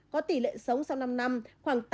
có tỷ lệ sống sau năm năm khoảng tám mươi